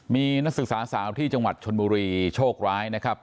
มีนักศึกษาสาวที่จังหวัดชนบุรีโชคร้ายนะครับ